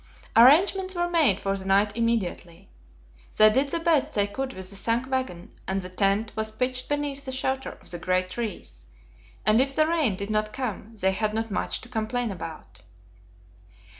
Arrangements were made for the night immediately. They did the best they could with the sunk wagon, and the tent was pitched beneath the shelter of the great trees; and if the rain did not come, they had not much to complain about.